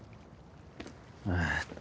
えっと